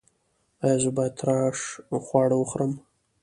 ایا زه باید ترش خواړه وخورم؟